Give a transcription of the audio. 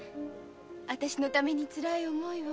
私のためにつらい思いを。